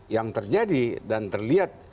yang terjadi dan terlihat